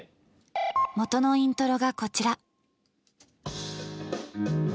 元のイントロがこちら